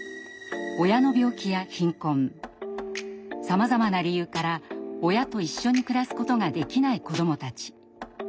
さまざまな理由から親と一緒に暮らすことができない子どもたち。